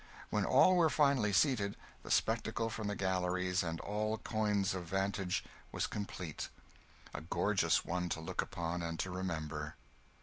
When all were finally seated, the spectacle from the galleries and all coigns of vantage was complete; a gorgeous one to look upon and to remember.